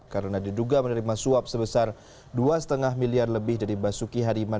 karena diduga menerima suap sebesar dua lima miliar lebih dari basuki hariman